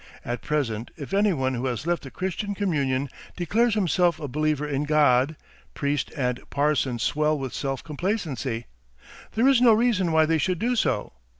At present if anyone who has left the Christian communion declares himself a believer in God, priest and parson swell with self complacency. There is no reason why they should do so.